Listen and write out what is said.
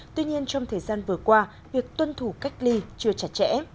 tuy nhiên trong thời gian vừa qua việc tuân thủ cách ly chưa chặt chẽ